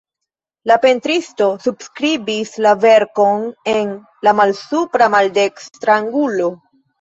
La pentristo subskribis la verkon en la malsupra maldekstra angulo.